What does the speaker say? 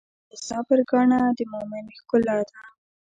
د صبر ګاڼه د مؤمن ښکلا ده.